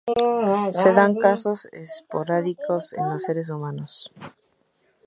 Se dan casos esporádicos en los seres humanos.